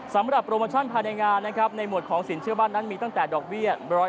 สำหรับโปรโมชั่นภายในงานนะครับในหมวดของสินเชื่อบ้านนั้นมีตั้งแต่ดอกเบี้ย๑๐๐